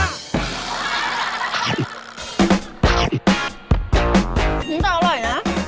น้ำตาลอร่อยนะ